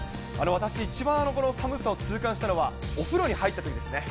私、一番この寒さを痛感したのはお風呂に入ったときですね。